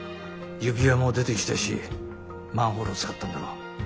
指輪も出てきたしマンホールを使ったんだろう。